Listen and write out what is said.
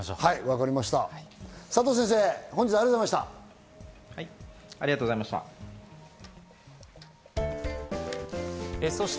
佐藤先生、本日はありがとうございました。